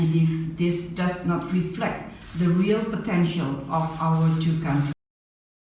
ini tidak memperlihatkan potensi sebenar dari kedua negara kita